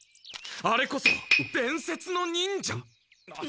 あれこそ伝説の忍者。